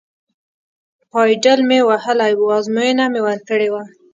پایډل مې وهلی و، ازموینه مې ورکړې وه.